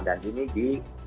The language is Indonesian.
dan ini di